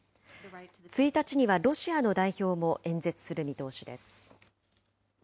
１日にはロシアの代表も演説する見通しです。